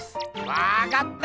わかった！